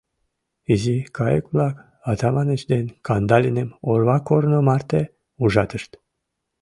Изи кайык-влак Атаманыч ден Кандалиным орва корно марте ужатышт.